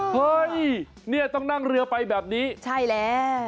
เฮ้ยเนี่ยต้องนั่งเรือไปแบบนี้ใช่แล้ว